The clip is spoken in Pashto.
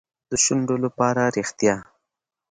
د شونډو لپاره ریښتیا.